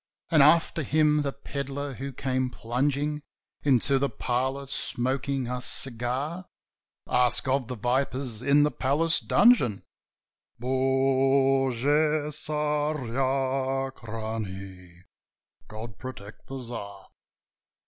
"And, after him, the pedlar who came plungin' Into the parlour, smoking a cigar?" "Ask of the vipers in the palace dungeon: Bogu Tsarachnie! God protect the Tsar!"